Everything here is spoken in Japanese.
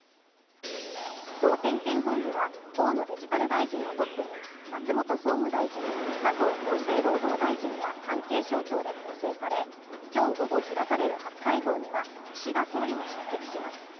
総点検本部は河野デジタル大臣をトップに、松本総務大臣、加藤厚生労働大臣や関係省庁で構成され、今日午後開かれる初会合には岸田総理も出席します。